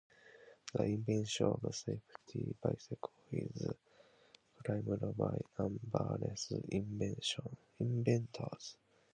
The invention of the safety bicycle is claimed by numberless inventors.